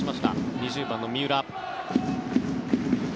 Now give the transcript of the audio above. ２０番の三浦。